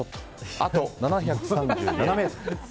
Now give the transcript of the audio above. あと７３７ｍ。